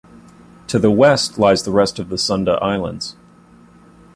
To the west lies the rest of the Sunda Islands.